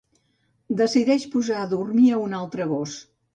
Decideix posar a dormir a un altre gos.